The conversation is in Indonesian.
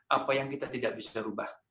apa yang kita tidak bisa ubah